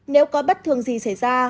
nếu có bất thường gì xảy ra